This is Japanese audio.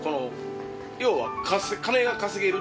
要は。